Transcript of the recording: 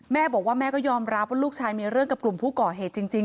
แม่บอกว่าแม่ก็ยอมรับว่าลูกชายมีเรื่องกับกลุ่มผู้ก่อเหตุจริง